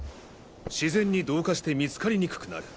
自然に同化して見つかりにくくなる。